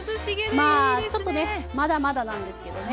まあちょっとねまだまだなんですけどね。